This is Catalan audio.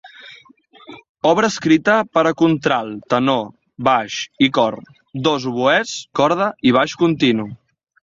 Obra escrita per a contralt, tenor, baix i cor; dos oboès, corda i baix continu.